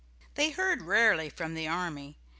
They heard rarely from the army.